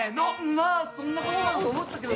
まあそんなことだろうと思ったけどさ。